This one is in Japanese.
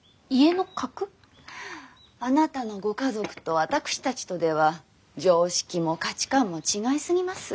あなたのご家族と私たちとでは常識も価値観も違い過ぎます。